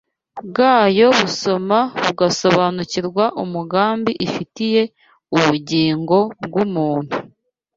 bwayo busoma bugasobanukirwa umugambi ifitiye ubugingo bw’umuntu.